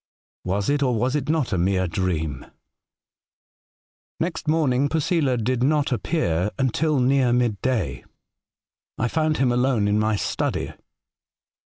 Was it, or was it not, a mere dream ?'' Next morning Posela did not reappear until near midday. I found him alone in my study.